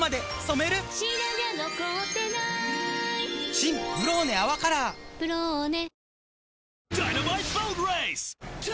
新「ブローネ泡カラー」「ブローネ」